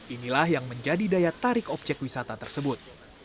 inilah yang menjadi daya tarik objek wisata tersebut